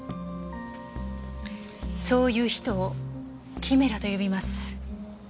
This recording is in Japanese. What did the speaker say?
そういう人をキメラと呼びます。